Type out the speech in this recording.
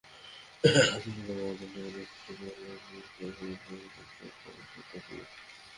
গতকালই ওবামার আর্জেন্টিনার প্রেসিডেন্ট মৌরিফিও মাকরির সঙ্গে বৈঠক করার কথা ছিল।